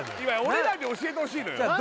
俺らに教えてほしいのよ